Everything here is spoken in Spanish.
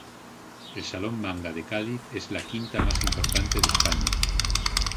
El Salón Manga de Cádiz es la quinta más importante de España.